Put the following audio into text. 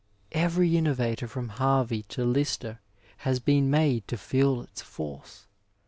Every innovator from Harvey to Lister has been made to feel its force.